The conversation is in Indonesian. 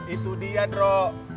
itu dia drok